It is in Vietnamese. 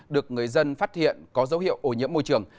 được người dân phát hiện có dấu hiệu ổ nhiễm môi trường